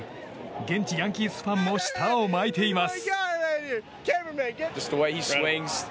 現地ヤンキースファンも舌を巻いています。